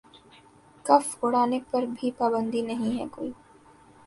کف اُڑانے پہ بھی پابندی نہیں ہے کوئی